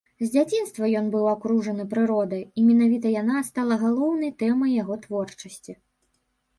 З дзяцінства ён быў акружаны прыродай, і менавіта яна стала галоўнай тэмай яго творчасці.